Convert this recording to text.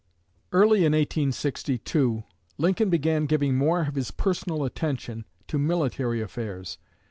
Early in 1862 Lincoln began giving more of his personal attention to military affairs.